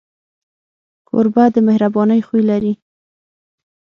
کوربه د مهربانۍ خوی لري.